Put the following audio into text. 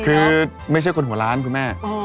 คือไม่ใช่คนหัวล้านคุณแม่